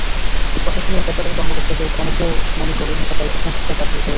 প্রশাসনের পেশাদার কর্মকর্তাদের অনেকেও মনে করছেন, এটা প্রায় অসম্ভব ব্যাপার হয়ে পড়েছে।